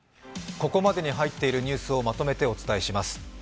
ここまでに入っているニュースをまとめてお伝えします。